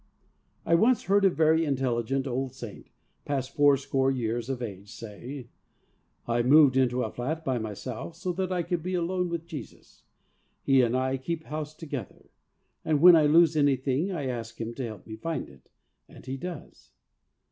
I once heard a very intelligent old saint, past fourscore years of age, say, ' I moved into a flat by myself so that I could be alone with Jesus. He and I keep house together ; and when I lose anything I ask Him to help me to find it, and He does.